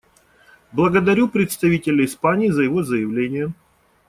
Благодарю представителя Испании за его заявление.